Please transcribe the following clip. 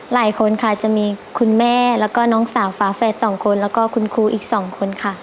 หลายคนค่ะจะมีคุณแม่แล้วก็น้องสาวฝาแฝดสองคนแล้วก็คุณครูอีก๒คนค่ะ